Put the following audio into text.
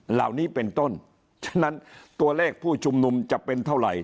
เหล่านี้เป็นต้นฉะนั้นตัวเลขผู้ชุมนุมจะเป็นเท่าไหร่